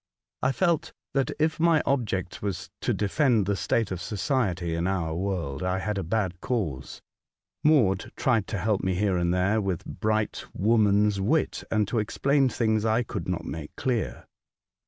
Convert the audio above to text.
I felt that if my object was to defend the state of society in our world, I had a bad cause. Maud tried to help me here and there with bright woman's wit, and to explain things I conld not make clear.